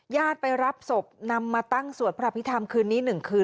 ญาติไปรับศพนำมาตั้งสวดพระพิธรรมคืนนี้๑คืน